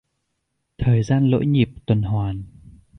Thời gian lỗi nhịp tuần hoàn